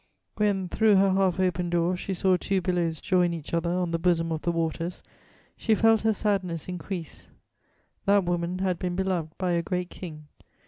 When, through her half open door, she saw two billows join each other on the bosom of the waters, she felt her sadness increase: that woman had been beloved by a great king.